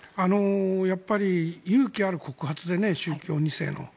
やっぱり勇気ある告発で宗教２世の。